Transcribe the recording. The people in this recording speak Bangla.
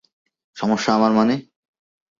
সমস্যা আমার মানে?